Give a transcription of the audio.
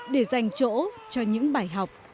để dành chỗ cho những bài học